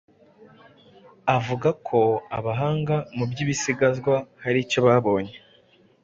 avuga ko abahanga mu by’ibisigazwa haricyo babonye